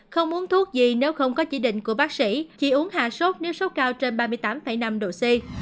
không uống thuốc gì nếu không có chỉ định của bác sĩ chỉ uống hạ sốt nếu sốt cao trên ba mươi tám năm độ c